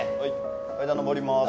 階段のぼります